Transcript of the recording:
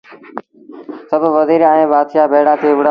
سڀ وزير ائيٚݩ بآتشآ ڀيڙآ ٿئي وهُڙآ